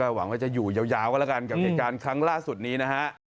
ก็หวังว่าจะอยู่ยาวกับการคลั้งล่าสุดนี้นะฮะ